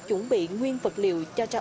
chuẩn bị nguyên vật liệu cho cho họ